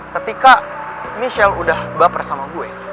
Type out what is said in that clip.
ketika michelle udah baper sama gue